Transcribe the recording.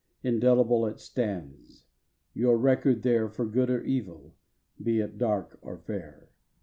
Indelible it stands, your record there For good or evil, be it dark or fair.